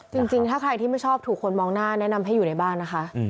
จริงถ้าใครที่ไม่ชอบถูกคนมองหน้าแนะนำให้อยู่ในบ้านนะคะ